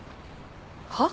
はっ？